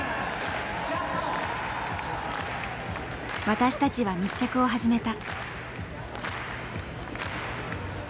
私たちは密着を始めた。